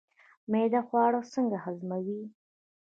معده خواړه څنګه هضموي